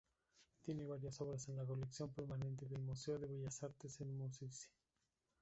Tiene varias obras en la colección permanente del Museo de Bellas Artes de Murcia.